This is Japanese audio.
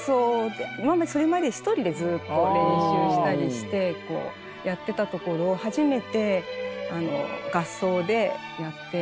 それまで一人でずっと練習したりしてやってたところを初めて合奏でやって。